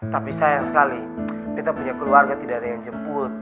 tapi sayang sekali kita punya keluarga tidak ada yang jemput